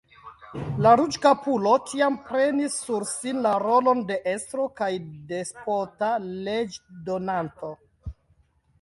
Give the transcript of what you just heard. La ruĝkapulo tiam prenis sur sin la rolon de estro kaj despota leĝdonanto.